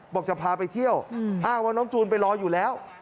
จะพาไปเที่ยวอ้างว่าน้องจูนไปรออยู่แล้ว